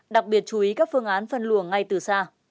đặc biệt chú ý các phương án phân luồng ngay từ xa